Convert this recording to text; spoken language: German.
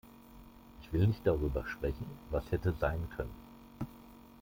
Ich will nicht darüber sprechen, was hätte sein können.